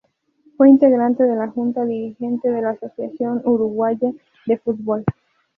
Fue integrante de la Junta Dirigente de la Asociación Uruguaya de Fútbol.